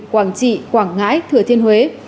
quảng trị quảng ngãi thừa thiên huế